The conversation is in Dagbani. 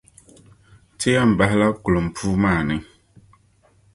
Ti yɛn bahila kulum puu maa ni.